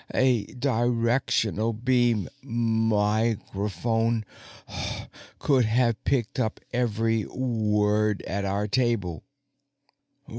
A directional beam microphone could have picked up every word at our table.